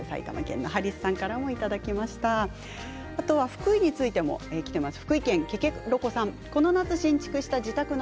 福井についてもきています。